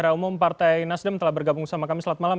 pak om partai nasdem telah bergabung sama kami selamat malam